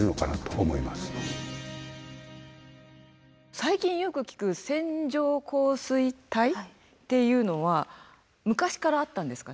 最近よく聞く線状降水帯っていうのは昔からあったんですか？